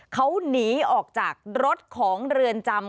เขาหนีออกจากรถของเรือนจำ